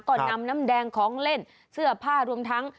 ก็นำน้ำแดงของเล่นเสื้อผ้ารวมทั้ง